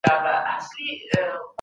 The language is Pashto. پوهانو په عمل کي تجربې تکرار کړې.